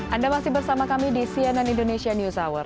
anda masih bersama kami di cnn indonesia news hour